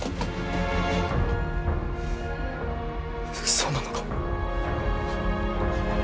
そうなのか？